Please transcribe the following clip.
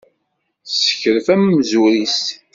Tessekref amzur-is.